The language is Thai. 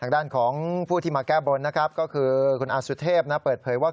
ด้านของผู้ที่มาแก้บนก็คือคุณอาจุเทพเปิดเผยว่า